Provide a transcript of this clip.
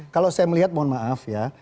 kalau saya melihat mohon maaf ya